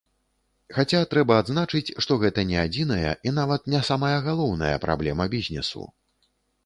Хаця трэба адзначыць, што гэта не адзіная і нават не самая галоўная праблема бізнесу.